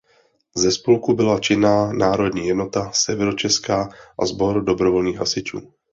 Ze spolků byla činná Národní jednota Severočeská a Sbor dobrovolných hasičů.